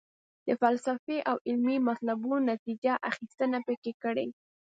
د فلسفي او علمي مطلبونو نتیجه یې اخیستنه پکې کړې.